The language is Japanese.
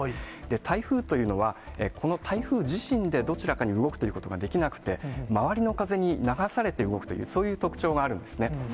台風というのはこの台風自身でどちらかに動くということができなくて、周りの風に流されて動くというそういう特徴があるんですね。